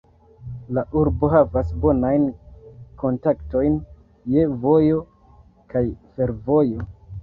La urbo havas bonajn kontaktojn je vojo kaj fervojo.